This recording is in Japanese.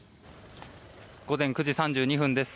午前９時３２分です。